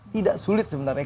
tidak sulit sebenarnya